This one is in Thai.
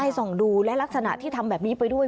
ส่องดูและลักษณะที่ทำแบบนี้ไปด้วย